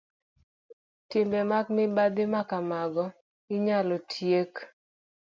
Timbe mag mibadhi ma kamago inyalo tiek